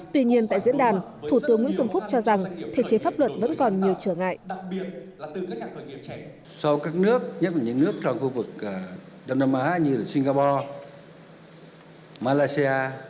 tuy nhiên tại diễn đàn thủ tướng nguyễn xuân phúc cho rằng thể chế pháp luật vẫn còn nhiều trở ngại